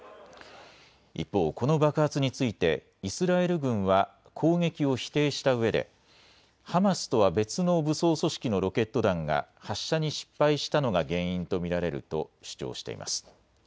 一方、この爆発についてイスラエル軍は攻撃を否定したうえでハマスとは別の武装組織のロケット弾が発射に失敗したのが原因と見られると主張しています。